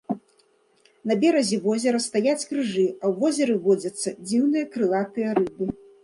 На беразе возера стаяць крыжы, а ў возеры водзяцца дзіўныя крылатыя рыбы.